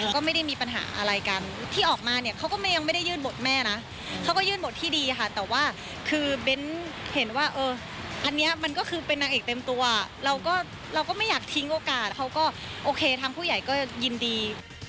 ก็ไม่ได้มีปัญหาอะไรกันที่ออกมาเนี่ยเขาก็ยังไม่ได้ยื่นบทแม่นะเขาก็ยื่นบทที่ดีค่ะแต่ว่าคือเบ้นเห็นว่าเอออันนี้มันก็คือเป็นนางเอกเต็มตัวเราก็เราก็ไม่อยากทิ้งโอกาสเขาก็โอเคทางผู้ใหญ่ก็ยินดี